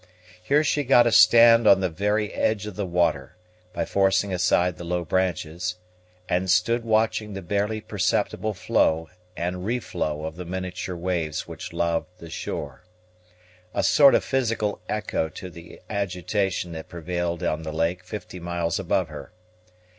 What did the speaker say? Here she got a stand on the very edge of the water, by forcing aside the low branches, and stood watching the barely perceptible flow and re flow of the miniature waves which laved the shore; a sort of physical echo to the agitation that prevailed on the lake fifty miles above her.